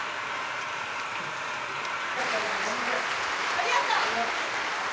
ありがとう。